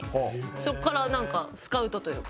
そこからなんかスカウトというか。